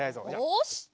よし！